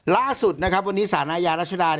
ล่าสุดนะครับวันนี้สารอาญารัชดา